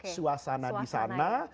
suasana di sana